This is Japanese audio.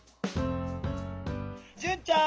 淳ちゃん。